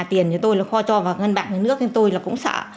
tiền tôi kho cho vào ngân bạc nước tôi cũng sợ